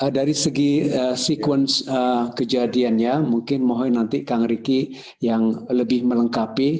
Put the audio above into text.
dari segi sekuens kejadiannya mungkin mohon nanti kang ricky yang lebih melengkapi